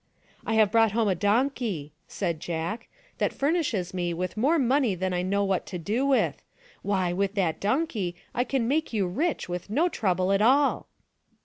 " I have brought home a donkey," said Jack, " that furnishes me with more money than I know what to do with. Why, with that donkey I can make you rich with no trouble at all